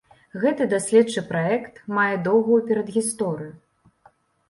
Гэты даследчы праект мае доўгую перадгісторыю.